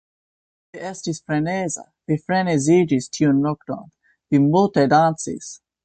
Vi estis freneza. Vi freneziĝis tiun nokton. Vi multe dancis!